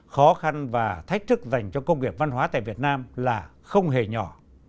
khó khăn và thách thức dành cho công nghiệp văn hóa tại việt nam là không hề nhỏ